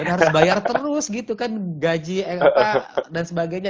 harus bayar terus gitu kan gaji apa dan sebagainya